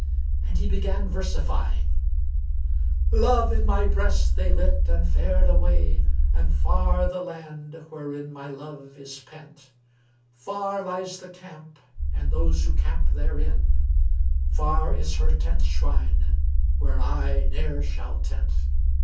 And he began versifying, "Love in my breast they lit and fared away, * And far the land wherein my love is pent: Far lies the camp and those who camp therein; * Par is her tent shrine, where I ne'er shall tent.